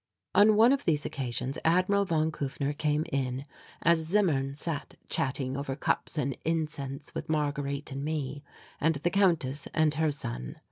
On one of these occasions Admiral von Kufner came in as Zimmern sat chatting over cups and incense with Marguerite and me, and the Countess and her son.